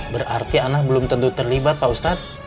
berarti anak belum tentu terlibat pak ustadz